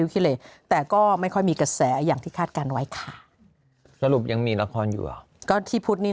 จาก๕๐เรื่องหรือ๒๕เรื่องอย่างนี้